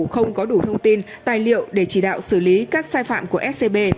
không có đủ thông tin tài liệu để chỉ đạo xử lý các sai phạm của scb